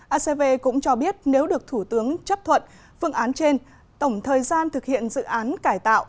acv cũng cho biết nếu được thủ tướng chấp thuận phương án trên tổng thời gian thực hiện dự án cải tạo